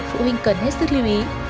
phụ huynh cần hết sức lưu ý